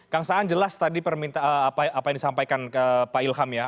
kang saan jelas tadi permintaan apa yang disampaikan pak ilham ya